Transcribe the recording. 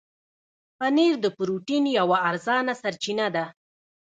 پنېر د پروټين یوه ارزانه سرچینه ده.